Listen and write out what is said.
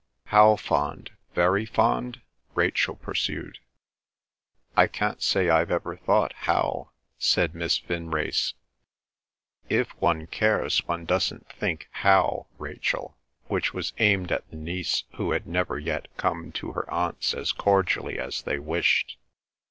"How fond? Very fond!" Rachel pursued. "I can't say I've ever thought 'how,'" said Miss Vinrace. "If one cares one doesn't think 'how,' Rachel," which was aimed at the niece who had never yet "come" to her aunts as cordially as they wished.